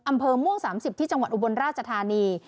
อำเภอม่วง๓๐ที่จังหวัดอุบลราชธานี